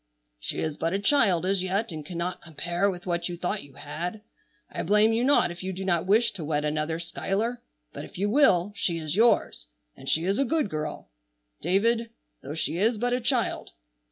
She is but a child as yet and cannot compare with what you thought you had. I blame you not if you do not wish to wed another Schuyler, but if you will she is yours. And she is a good girl. David, though she is but a child.